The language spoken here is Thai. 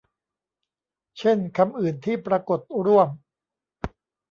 เช่นคำอื่นที่ปรากฏร่วม